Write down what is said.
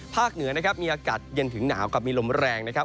เหนือนะครับมีอากาศเย็นถึงหนาวกับมีลมแรงนะครับ